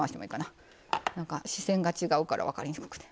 なんか視線が違うから分かりにくくて。